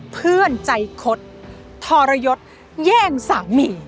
เพื่อนใจคดทรยศแย่งสามี